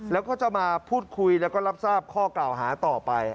แล้วก็จะมาพูดคุยแล้วก็รับทราบข้อกล่าวหาต่อไป